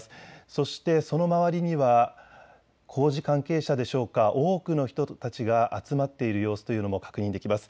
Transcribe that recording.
そして、その周りには工事関係者でしょうか、多くの人たちが集まっている様子というのも確認できます。